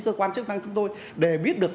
cơ quan chức năng chúng tôi để biết được